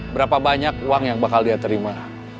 berapa banyak uang yang bakal dia terima